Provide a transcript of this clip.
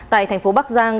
tại tp bắc giang